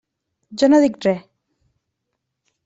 Jo no dic res.